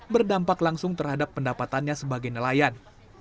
berdampak langsung terhadap pendapatannya sebagai nelayan